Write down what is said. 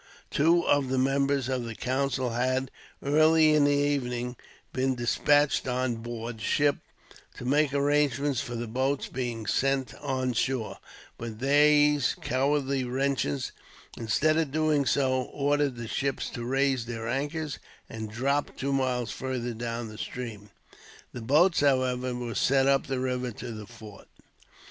Two of the members of the council had, early in the evening, been despatched on board ship to make arrangements for the boats being sent on shore; but these cowardly wretches, instead of doing so, ordered the ships to raise their anchors, and drop two miles farther down the stream. The boats, however, were sent up the river to the fort.